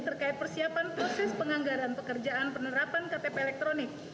terkait persiapan proses penganggaran pekerjaan penerapan ktp elektronik